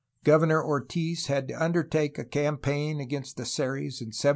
Governor Ortiz had to undertake a campaign against the Seris in 1750.